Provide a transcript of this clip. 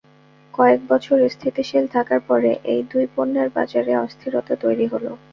কয়েক বছর স্থিতিশীল থাকার পরে এই দুই পণ্যের বাজারে অস্থিরতা তৈরি হলো।